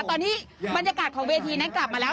ตอนนี้บรรยากาศของเวทีนั้นกลับมาแล้ว